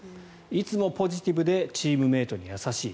いつもポジティブでチームメートに優しい。